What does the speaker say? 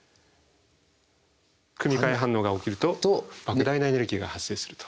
組み替え反応が起きるとばく大なエネルギーが発生すると。